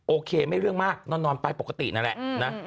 โอเคไม่เรื่องมากนอนไปปกตินั่นแหละนะ